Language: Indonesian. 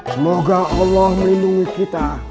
semoga allah melindungi kita